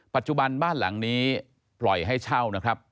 ปัจจุบันบ้านหลังนี้ปล่อยให้เช่านะครับ